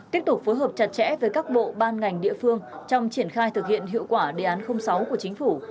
tiếp tục phối hợp chặt chẽ với các bộ ban ngành địa phương trong triển khai thực hiện hiệu quả đề án sáu của chính phủ